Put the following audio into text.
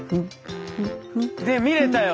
で見れたよ。